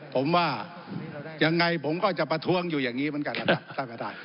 ผมว่ายังไงผมก็จะประทวงอยู่อย่างนี้เหมือนกันก็ได้